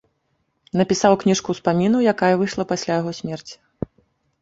Напісаў кніжку ўспамінаў, якая выйшла пасля яго смерці.